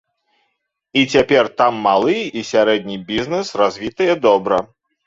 І цяпер там малы і сярэдні бізнэс развітыя добра.